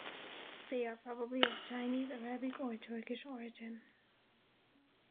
They are probably of Chinese, Arabic, or Turkish origin.